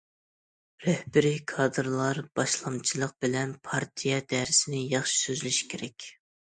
رەھبىرىي كادىرلار باشلامچىلىق بىلەن پارتىيە دەرسىنى ياخشى سۆزلىشى كېرەك.